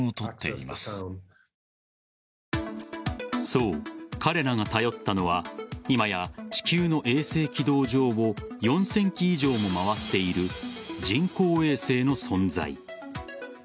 そう、彼らが頼ったのは今や地球の衛星軌道上を４０００基以上も回っている人工衛星の存在。